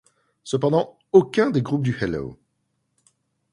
Cependant, aucun des groupes du Hello!